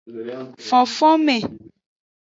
Fofonme.